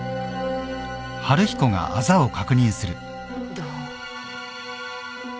どう？